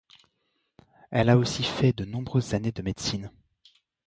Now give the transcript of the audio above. Elle a aussi fait de nombreuses années de médecine.